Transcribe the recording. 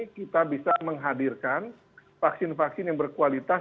kita bisa menghadirkan vaksin vaksin yang berkualitas